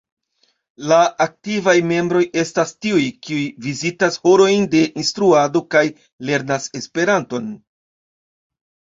La aktivaj membroj estas tiuj, kiuj vizitas horojn de instruado kaj lernas Esperanton.